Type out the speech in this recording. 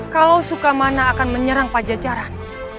kalau sukamana akan menyerang pak jajaran